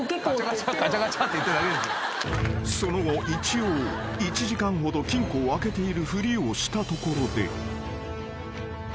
［その後一応１時間ほど金庫を開けているふりをしたところで］